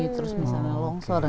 terus misalnya longsor